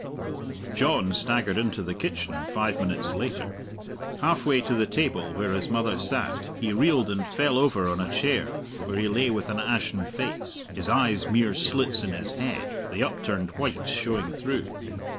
John staggered into the kitchen five minutes later. Halfway to the table where his mother sat he reeled and fell over on a chair, where he lay with an ashen face, his eyes mere slits in his head, the upturned whites showing through.